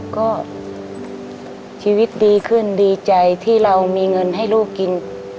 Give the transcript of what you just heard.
ก็ชีวิตดีขึ้นดีใจที่เรามีเงินให้ลูกกิน